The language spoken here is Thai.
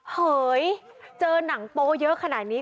เหยเจอหนังโป๊เยอะขนาดนี้